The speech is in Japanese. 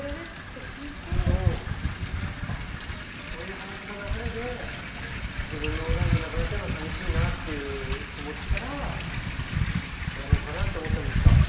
そういう話の流れで自分の代でなくなっちゃうのはさみしいなっていう気持ちからやろうかなって思ったんですか。